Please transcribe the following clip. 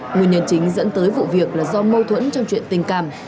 nguyên nhân chính dẫn tới vụ việc là do mâu thuẫn trong chuyện tình cảm